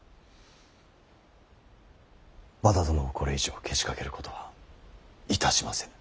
和田殿をこれ以上けしかけることはいたしません。